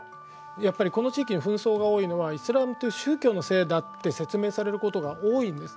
やっぱりこの地域に紛争が多いのはイスラームっていう宗教のせいだって説明されることが多いんです。